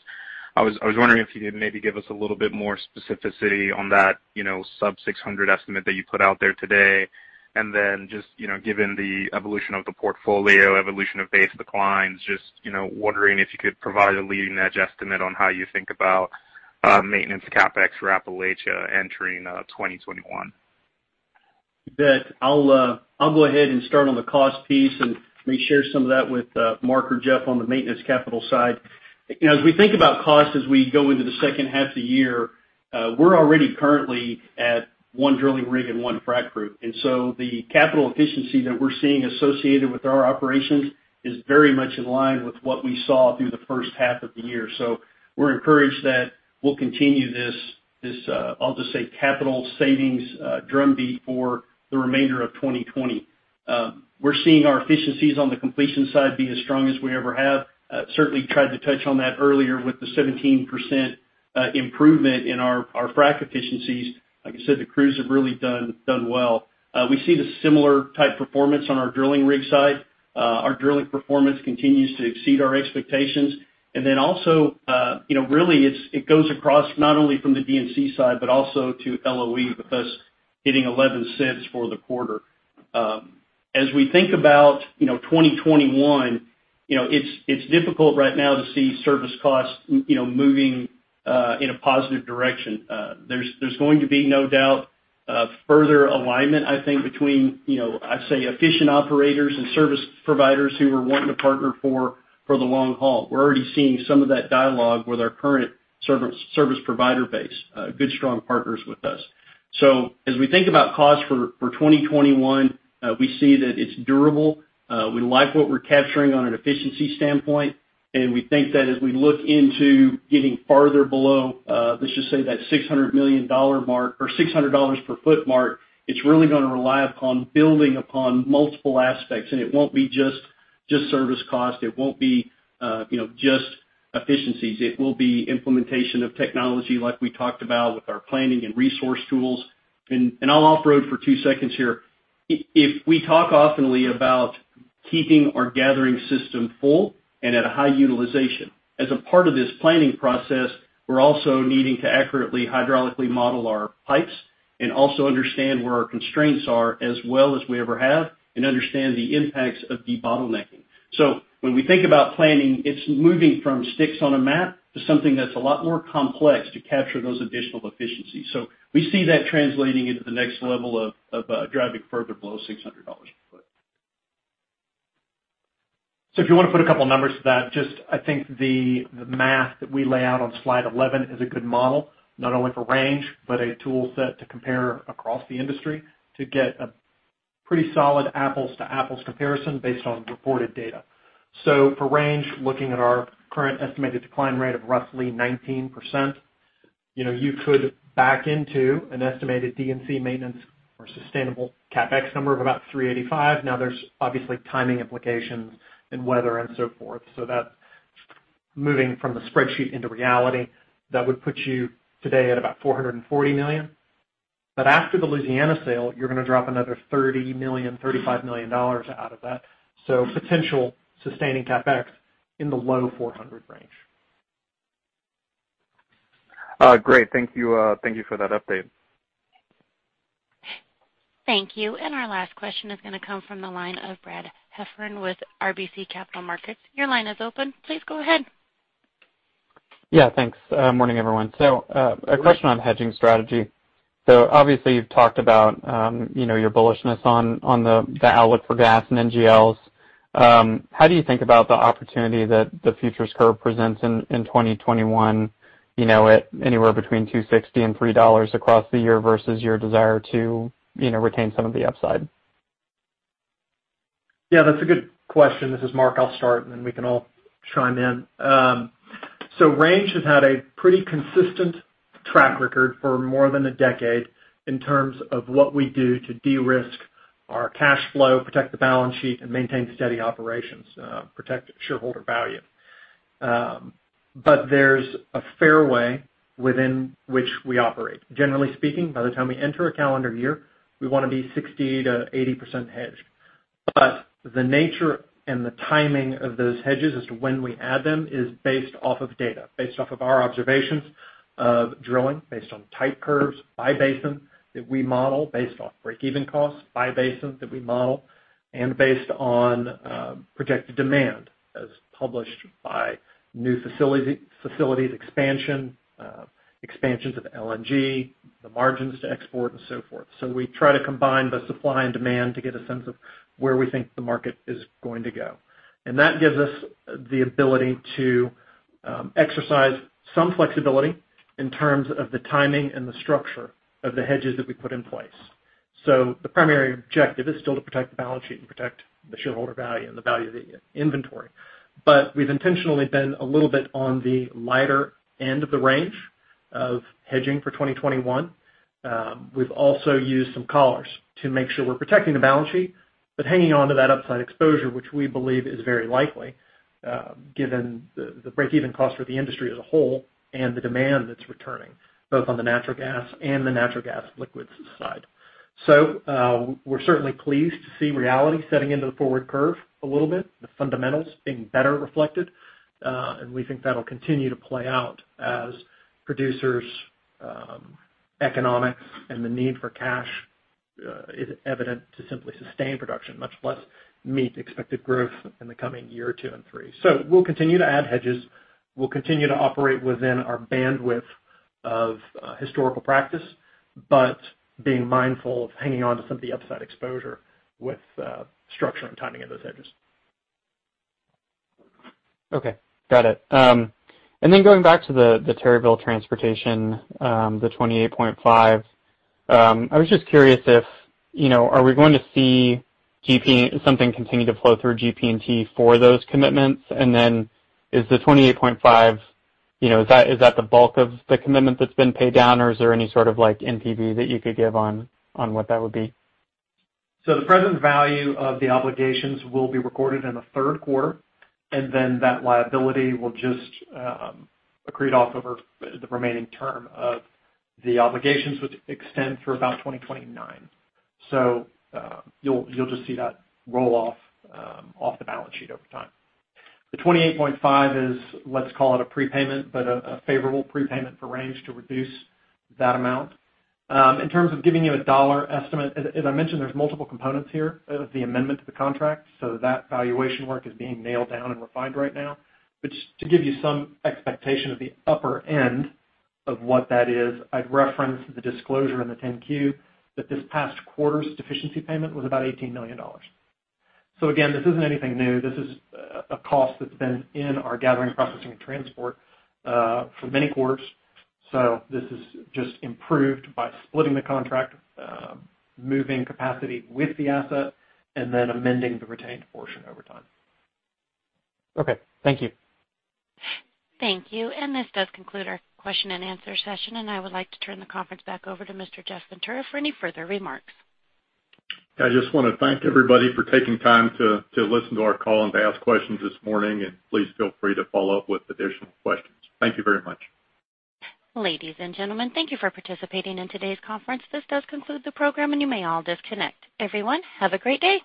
S8: I was wondering if you could maybe give us a little bit more specificity on that sub-$600 estimate that you put out there today, and then just given the evolution of the portfolio, evolution of base declines, just wondering if you could provide a leading-edge estimate on how you think about maintenance CapEx for Appalachia entering 2021.
S5: You bet. I'll go ahead and start on the cost piece and may share some of that with Mark or Jeff on the maintenance capital side. As we think about cost as we go into the second half of the year, we're already currently at one drilling rig and one frac crew. The capital efficiency that we're seeing associated with our operations is very much in line with what we saw through the first half of the year. We're encouraged that we'll continue this, I'll just say, capital savings drum beat for the remainder of 2020. We're seeing our efficiencies on the completion side be as strong as we ever have. Certainly tried to touch on that earlier with the 17% improvement in our frac efficiencies. Like I said, the crews have really done well. We see the similar type performance on our drilling rig side. Our drilling performance continues to exceed our expectations. Also really it goes across, not only from the D&C side, but also to LOE with us hitting $0.11 for the quarter. As we think about 2021, it's difficult right now to see service costs moving in a positive direction. There's going to be, no doubt, further alignment, I think, between I'd say efficient operators and service providers who are wanting to partner for the long haul. We're already seeing some of that dialogue with our current service provider base, good, strong partners with us. As we think about cost for 2021, we see that it's durable. We like what we're capturing on an efficiency standpoint. We think that as we look into getting farther below, let's just say that $600 per foot mark, it's really going to rely upon building upon multiple aspects. It won't be just service cost. It won't be just efficiencies. It will be implementation of technology like we talked about with our planning and resource tools. I'll off-road for two seconds here. If we talk often about keeping our gathering system full and at a high utilization. As a part of this planning process, we're also needing to accurately hydraulically model our pipes and also understand where our constraints are as well as we ever have, and understand the impacts of debottlenecking. When we think about planning, it's moving from sticks on a map to something that's a lot more complex to capture those additional efficiencies. We see that translating into the next level of driving further below $600 a foot.
S4: If you want to put a couple of numbers to that, just I think the math that we lay out on slide 11 is a good model, not only for Range, but a tool set to compare across the industry to get a pretty solid apples to apples comparison based on reported data. For Range, looking at our current estimated decline rate of roughly 19%, you could back into an estimated D&C maintenance or sustainable CapEx number of about $385 million. There's obviously timing implications and weather and so forth, so that's moving from the spreadsheet into reality, that would put you today at about $440 million. After the Louisiana sale, you're going to drop another $30 million, $35 million out of that. Potential sustaining CapEx in the low $400 million range.
S8: Great. Thank you for that update.
S1: Thank you. Our last question is going to come from the line of Brad Heffern with RBC Capital Markets. Your line is open. Please go ahead.
S9: Yeah, thanks. Morning, everyone. A question on hedging strategy. Obviously you've talked about your bullishness on the outlook for gas and NGLs. How do you think about the opportunity that the futures curve presents in 2021 at anywhere between $2.60 and $3 across the year versus your desire to retain some of the upside?
S4: Yeah, that's a good question. This is Mark. I'll start then we can all chime in. Range has had a pretty consistent track record for more than a decade in terms of what we do to de-risk our cash flow, protect the balance sheet, and maintain steady operations, protect shareholder value. There's a fairway within which we operate. Generally speaking, by the time we enter a calendar year, we want to be 60%-80% hedged. The nature and the timing of those hedges as to when we add them is based off of data, based off of our observations of drilling, based on type curves by basin that we model, based off breakeven costs by basin that we model, and based on projected demand as published by new facilities expansion, expansions of LNG, the margins to export, and so forth. We try to combine the supply and demand to get a sense of where we think the market is going to go. That gives us the ability to exercise some flexibility in terms of the timing and the structure of the hedges that we put in place. The primary objective is still to protect the balance sheet and protect the shareholder value and the value of the inventory. We've intentionally been a little bit on the lighter end of the range of hedging for 2021. We've also used some collars to make sure we're protecting the balance sheet, but hanging on to that upside exposure, which we believe is very likely given the breakeven cost for the industry as a whole and the demand that's returning, both on the natural gas and the natural gas liquids side. We're certainly pleased to see reality setting into the forward curve a little bit, the fundamentals being better reflected. We think that'll continue to play out as producers' economics and the need for cash is evident to simply sustain production, much less meet expected growth in the coming year two and three. We'll continue to add hedges. We'll continue to operate within our bandwidth of historical practice, but being mindful of hanging on to some of the upside exposure with structure and timing of those hedges.
S9: Okay. Got it. Going back to the Terryville transportation, the $28.5 million, I was just curious, are we going to see something continue to flow through GP&T for those commitments? Is the $28.5 million the bulk of the commitment that's been paid down? Or is there any sort of NPV that you could give on what that would be?
S4: The present value of the obligations will be recorded in the third quarter, and then that liability will just accrete off over the remaining term of the obligations, which extend through about 2029. You'll just see that roll off the balance sheet over time. The $28.5 million is, let's call it a prepayment, but a favorable prepayment for Range to reduce that amount. In terms of giving you a dollar estimate, as I mentioned, there's multiple components here of the amendment to the contract. That valuation work is being nailed down and refined right now. To give you some expectation of the upper end of what that is, I'd reference the disclosure in the 10-Q that this past quarter's deficiency payment was about $18 million. Again, this isn't anything new. This is a cost that's been in our gathering, processing, and transport for many quarters. This is just improved by splitting the contract, moving capacity with the asset, and then amending the retained portion over time.
S9: Okay. Thank you.
S1: Thank you. This does conclude our question and answer session. I would like to turn the conference back over to Mr. Jeff Ventura for any further remarks.
S3: I just want to thank everybody for taking time to listen to our call and to ask questions this morning. Please feel free to follow up with additional questions. Thank you very much.
S1: Ladies and gentlemen, thank you for participating in today's conference. This does conclude the program, and you may all disconnect. Everyone, have a great day.